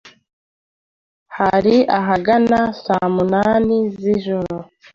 hari ahagana saa munani z'ijoro